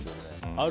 ある？